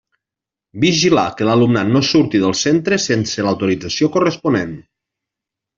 Vigilar que l'alumnat no surti del centre sense l'autorització corresponent.